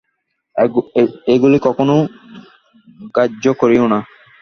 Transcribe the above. এগুলি কখনও গ্রাহ্য করিও না।